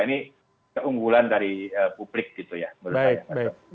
ini keunggulan dari publik gitu ya menurut saya